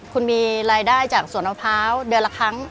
คุณมีรายได้จากสวนมะพร้าวเดือนละครั้ง